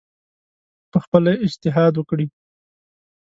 پخپله اجتهاد وکړي